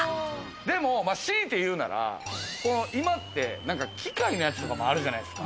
でも、しいて言うなら今って機械のやつとかもあるじゃないですか。